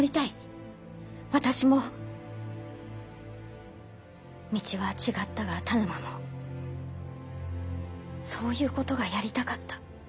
私も道は違ったが田沼もそういうことがやりたかった。